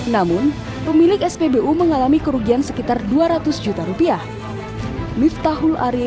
namun pemilik spbu mengalami kerugian sekitar dua ratus juta rupiah